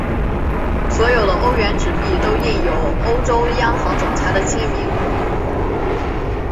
所有的欧元纸币都印有欧洲央行总裁的签名。